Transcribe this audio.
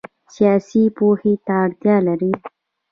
سیاست پوهې ته اړتیا لري